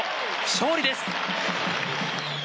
勝利です！